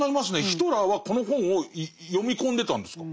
ヒトラーはこの本を読み込んでたんですか？